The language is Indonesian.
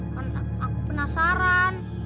kan aku penasaran